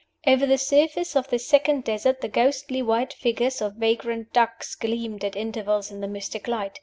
Over the surface of this second desert the ghostly white figures of vagrant ducks gleamed at intervals in the mystic light.